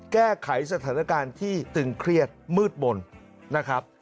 แก้ไขสถานการณ์ที่ตึงเครียดมืดมนต์นะครับ